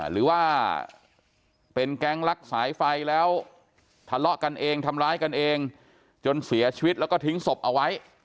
หรือว่าเป็นแก๊งลักสายไฟแล้วทะเลาะกันเองทำร้ายกันเองจนเสียชีวิตแล้วก็ทิ้งศพเอาไว้